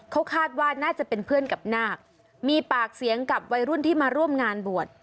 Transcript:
เขาคาดว่าน่าจะเป็นเพื่อนกับนาคมีปากเสียงกับวัยรุ่นที่มาร่วมงานบวช